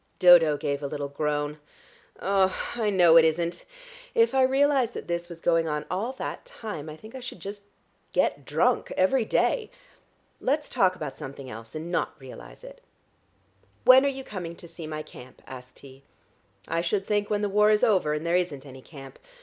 Dodo gave a little groan. "I know it isn't. If I realised that this was going on all that time, I think I should just get drunk every day. Let's talk about something else, and not realise it." "When are you coming to see my camp?" asked he. "I should think when the war is over and there isn't any camp.